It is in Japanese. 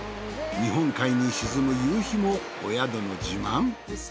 日本海に沈む夕日もお宿の自慢。